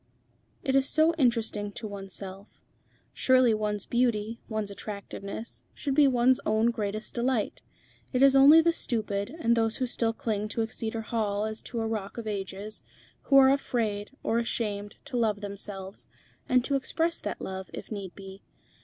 It is so interesting to oneself. Surely one's beauty, one's attractiveness, should be one's own greatest delight. It is only the stupid, and those who still cling to Exeter Hall as to a Rock of Ages, who are afraid, or ashamed, to love themselves, and to express that love, if need be.